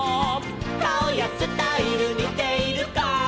「かおやスタイルにているか」